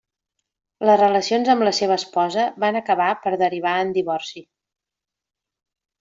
Les relacions amb la seva esposa van acabar per derivar en divorci.